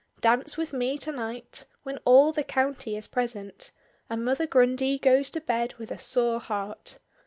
Dance with me to night, when all the County is present, and Mother Grundy goes to bed with a sore heart.